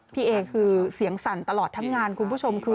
พี่เอคือเสียงสั่นตลอดทั้งงานคุณผู้ชมคือ